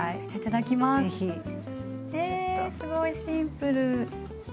えすごいシンプル！